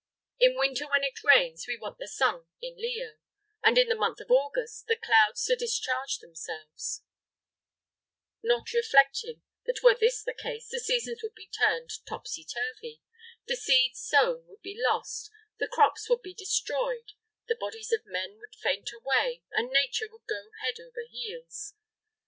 In winter when it rains, we want the sun in Leo, and in the month of August the clouds to discharge themselves; not reflecting that were this the case, the seasons would be turned topsy turvy, the seed sown would be lost, the crops would be destroyed, the bodies of men would faint away, and nature would go head over heels.